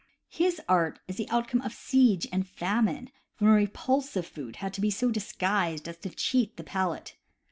His art is the outcome of siege and famine, when repulsive food had to be so disguised as to cheat the palate.